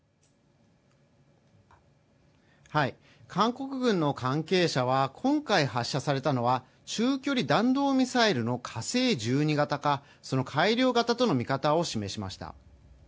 韓国軍の関係者は今回発射されたのは中距離弾道ミサイルの火星１２型かその改良型との見方を示しました。